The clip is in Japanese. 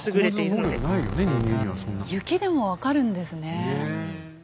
雪でも分かるんですね。